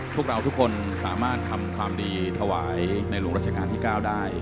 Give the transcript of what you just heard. พวกเราทุกคนสามารถทำความดีถวายในหลวงรัชกาลที่๙ได้